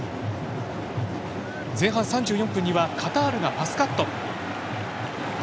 前半３４分にはカタールがパスカット。